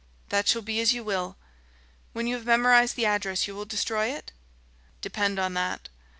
"That shall be as you will." "When you have memorized the address you will destroy it?" "Depend on that."